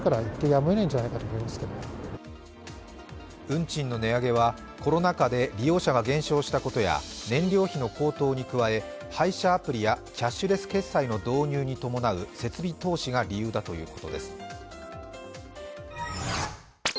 運賃の値上げはコロナ禍で利用者が減少したことや燃料費の高騰に加え配車アプリやキャッシュレス決済の導入に伴う設備投資が理由だということです。